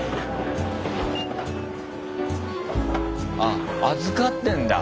あ預かってんだ。